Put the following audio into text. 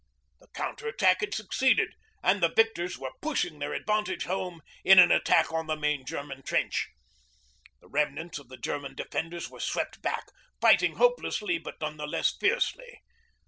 The counter attack had succeeded, and the victors were pushing their advantage home in an attack on the main German trench. The remnants of the German defenders were swept back, fighting hopelessly but none the less fiercely.